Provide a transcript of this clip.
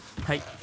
はい。